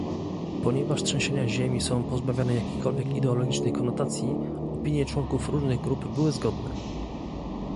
Ponieważ trzęsienia ziemi są pozbawione jakichkolwiek ideologicznych konotacji, opinie członków różnych grup były zgodne